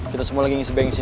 kita semua lagi ngisi bengsi